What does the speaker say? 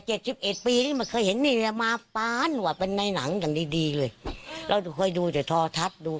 โชคดีที่เขาไม่ได้หลานโดนหลัง